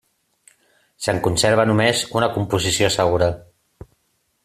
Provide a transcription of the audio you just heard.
Se'n conserva només una composició segura.